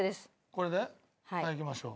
これでいきましょう。